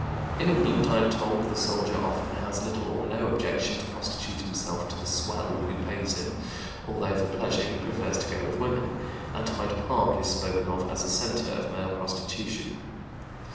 In England, I am told, the soldier often has little or no objection to prostitute himself to the "swell" who pays him, although for pleasure he prefers to go to women; and Hyde Park is spoken of as a center of male prostitution.